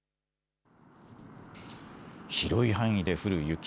広い範囲で降る雪。